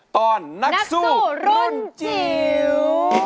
ตอนนักสู้รุ่นจิ๋ว